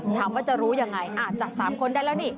ถามว่าจะรู้ยังไงจับ๓คนได้แล้วนี่